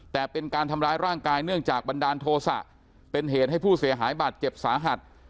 แต่เป็นการทำร้ายร่างกายเนื่องจากบันดาลโทษะเป็นเหตุให้ผู้เสียหายบาดเจ็บสาหัส